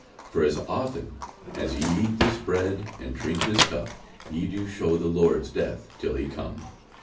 46:011:026 For as often as ye eat this bread, and drink this cup, ye do shew the Lord's death till he come.